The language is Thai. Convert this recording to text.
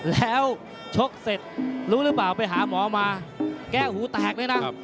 แล้วชกเสร็จรู้หรือเปล่าไปหาหมอมาแก้หูแตกเลยนะ